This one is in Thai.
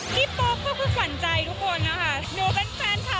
พี่ป๊อบก็คือฝันใจทุกคนนะคะหนูเป็นแฟนคลับเหมือนกันนะคะ